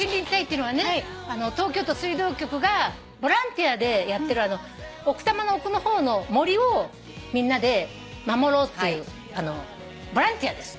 東京都水道局がボランティアでやってる奥多摩の奥の方の森をみんなで守ろうっていうボランティアです。